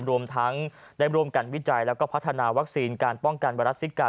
รวมทั้งได้ร่วมกันวิจัยแล้วก็พัฒนาวัคซีนการป้องกันไวรัสซิกา